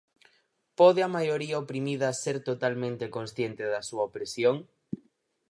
Pode a maioría oprimida ser totalmente consciente da súa opresión?